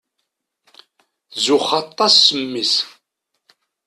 Tzuxx aṭas s mmi-s.